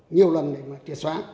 nhiều lần để mà triệt xóa